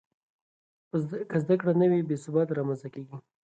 که زده کړه نه وي، بې ثباتي رامنځته کېږي.